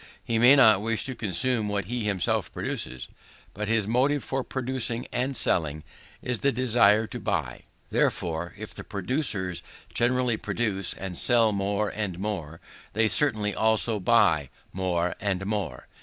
He may not wish to consume what he himself produces, but his motive for producing and selling is the desire to buy. Therefore, if the producers generally produce and sell more and more, they certainly also buy more and more.